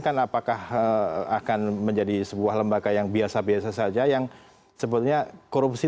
kan apakah akan menjadi sebuah lembaga yang biasa biasa saja yang sebetulnya korupsi